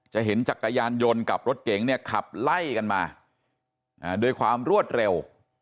เห็นจักรยานยนต์กับรถเก๋งเนี่ยขับไล่กันมาด้วยความรวดเร็ว